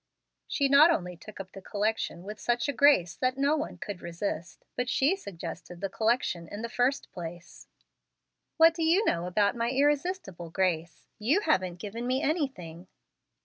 She not only took up the collection with such a grace that no one could resist, but she suggested the collection in the first place." "What do you know about my irresistible grace? You haven't given me anything."